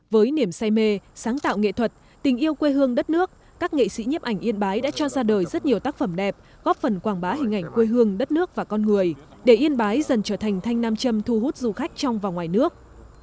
với niềm say mê sáng tạo nghệ thuật tình yêu quê hương đất nước các nghệ sĩ nhiếp ảnh yên bái đã cho ra đời rất nhiều tác phẩm đẹp góp phần quảng bá hình ảnh quê hương đất nước và con người để yên bái dần trở thành thanh nam châm thu hút du khách trong và ngoài nước